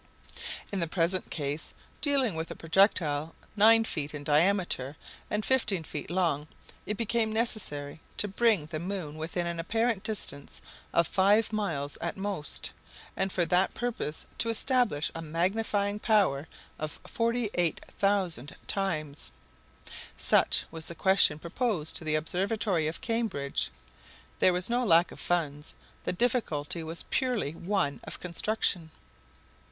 In the present case, dealing with a projectile nine feet in diameter and fifteen feet long, it became necessary to bring the moon within an apparent distance of five miles at most; and for that purpose to establish a magnifying power of 48,000 times. Such was the question proposed to the Observatory of Cambridge, There was no lack of funds; the difficulty was purely one of construction.